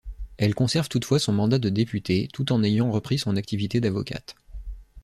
Elle conserve toutefois son mandat de députée, tout en ayant repris son activité d'avocate.